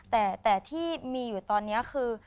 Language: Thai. แต่ที่มีอยู่ตอนนี้คือ